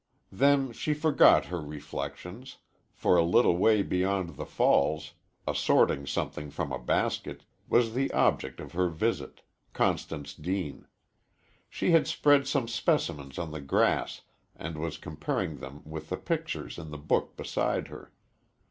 Then she forgot her reflections, for a little way beyond the falls, assorting something from a basket, was the object of her visit, Constance Deane. She had spread some specimens on the grass and was comparing them with the pictures in the book beside her.